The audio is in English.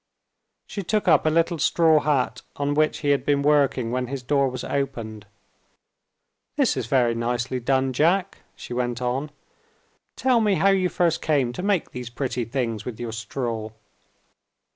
She took up a little straw hat on which he had been working when his door was opened. "This is very nicely done, Jack," she went on. "Tell me how you first came to make these pretty things with your straw."